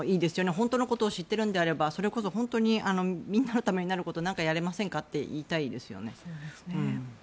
本当のことを知っているのであればそれこそ本当にみんなのためになることをやれませんかと言いたいですよね。